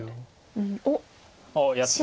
おっ！